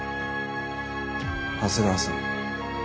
長谷川さん